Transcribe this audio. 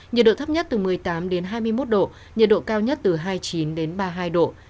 nhiệt độ thấp nhất từ một mươi tám đến hai mươi một độ nhiệt độ cao nhất từ hai mươi chín đến ba mươi hai độ